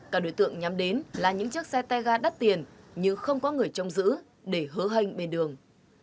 cả đối tượng nhắm đến là những chiếc xe tega đắt tiền nhưng không có người trông giữ để hứa hênh bên đường